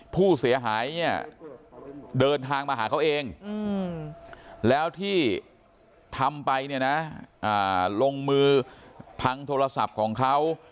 ผู้เสียหายเนี่ยเดินทางมาหาเขาเองแล้วที่ทำไปเนี่ยนะลงมือพังโทรศัพท์ของเขา